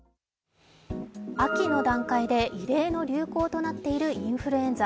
秋の段階で異例の流行となっているインフルエンザ。